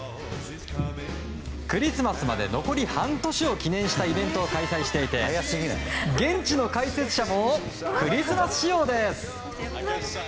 クリスマスまで残り半年を記念したイベントを開催していて現地の解説者もクリスマス仕様。